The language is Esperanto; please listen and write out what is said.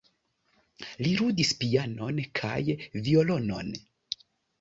Li ludas pianon kaj violonon.